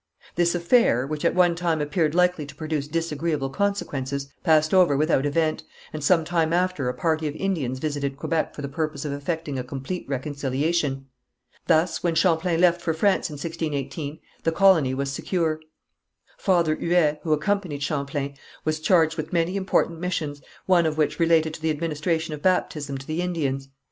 This affair, which at one time appeared likely to produce disagreeable consequences, passed over without event, and some time after a party of Indians visited Quebec for the purpose of effecting a complete reconciliation. Thus, when Champlain left for France in 1618, the colony was secure. Father Huet, who accompanied Champlain, was charged with many important missions, one of which related to the administration of baptism to the Indians.